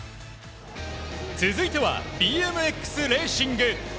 続いてはＢＭＸレーシング。